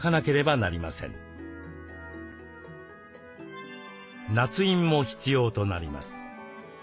なつ印も必要となります。